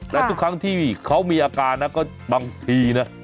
แต่ทุกครั้งที่เขามีอาการนะก็บางทีนะ